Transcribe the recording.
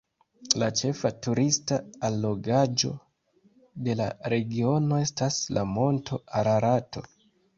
La ĉefa turista allogaĵo de la regiono estas la monto Ararato.